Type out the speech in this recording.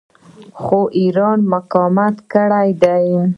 خو ایران مقاومت کړی دی.